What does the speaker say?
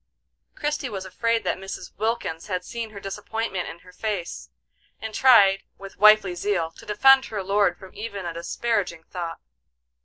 Christie was afraid that Mrs. Wilkins had seen her disappointment in her face, and tried, with wifely zeal, to defend her lord from even a disparaging thought.